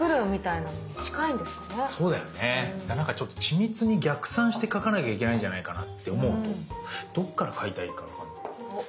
なんかちょっと緻密に逆算して描かなきゃいけないんじゃないかなって思うとどっから描いたらいいか分かんない。